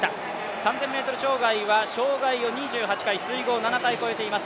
３０００ｍ障害は障害を２８回水濠７回越えていきます。